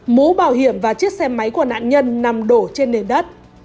mũ bảo hiểm và chiếc xe máy của nạn nhân nằm đổ trên nền đất